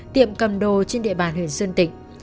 tiệm cầm đồ trên địa bàn huyền sơn tịnh